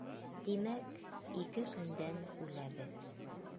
Тимәк, ике көндән үләбеҙ.